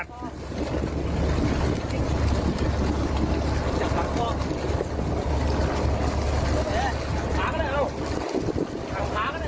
เชือกของไหมไม่รู้